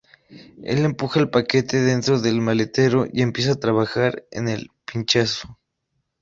Él empuja el paquete dentro del maletero, y empieza a trabajar en el pinchazo.